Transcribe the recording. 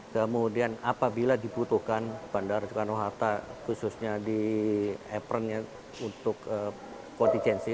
kemudian apabila dibutuhkan bandara soekarno hatta khususnya di appern untuk kontingensi